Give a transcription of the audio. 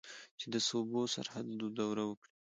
چې د صوبه سرحد دوره وکړي.